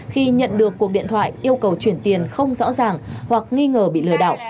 khi nhận được cuộc điện thoại yêu cầu chuyển tiền không rõ ràng hoặc nghi ngờ bị lừa đảo